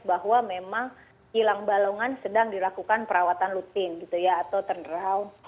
bahwa memang kilang balongan sedang dilakukan perawatan rutin gitu ya atau turnerround